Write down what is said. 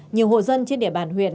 nhiều hộ dân trên địa bàn huyện